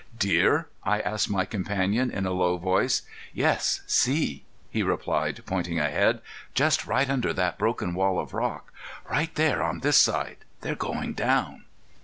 "Deer?" I asked my companion in a low voice. "Yes; see," he replied, pointing ahead, "just right under that broken wall of rock; right there on this side; they're going down."